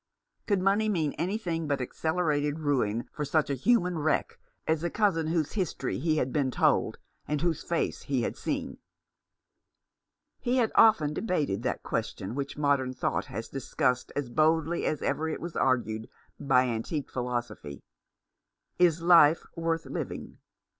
Could money mean any thing but accelerated ruin for such a human wreck as the cousin whose history he had been told, and whose face he had seen ? He had often debated that question which modern thought has discussed as boldly as ever it was argued by antique philosophy, Is life worth living